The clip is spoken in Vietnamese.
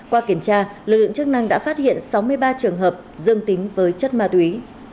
qua kiểm tra lực lượng chức năng đã phát hiện sáu mươi ba trường hợp dương tính với chất ma túy